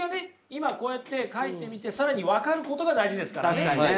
今こうやって書いてみて更に分かることが大事ですからね。